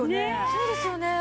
そうですよね。